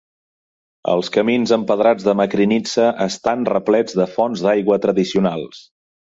Els camins empedrats de Makrinitsa estan replets de fonts d'aigua tradicionals